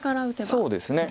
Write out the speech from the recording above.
そうですね